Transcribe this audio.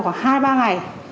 khoảng hai ba ngày